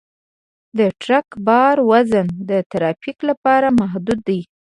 د ټرک بار وزن د ترافیک لپاره محدود دی.